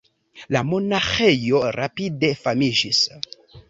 La monaĥejo rapide famiĝis.